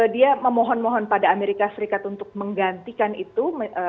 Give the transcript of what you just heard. dia memohon mohon pada amerika serikat untuk menggantikan itu